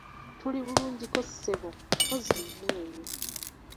Tuli bulungiko ssebo, mpozzi mmwe eyo?